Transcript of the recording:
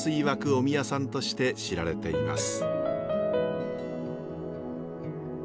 お宮さんとして知られています。